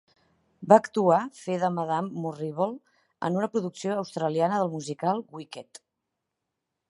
Va actuar fer de Madame Morrible en una producció australiana del musical "Wicked".